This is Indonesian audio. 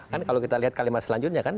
kan kalau kita lihat kalimat selanjutnya kan